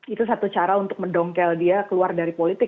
itu satu cara untuk mendongkel dia keluar dari politik